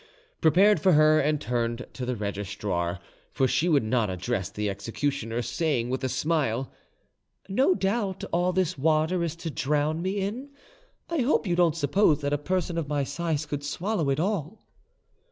] prepared for her, and turned to the registrar—for she would not address the executioner—saying, with a smile, "No doubt all this water is to drown me in? I hope you don't suppose that a person of my size could swallow it all."